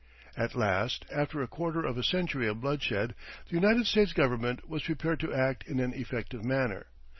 At last, after a quarter of a century of bloodshed, the United States Government was prepared to act in an effective manner.